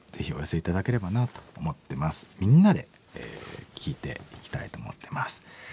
みんなで聞いていきたいと思ってます。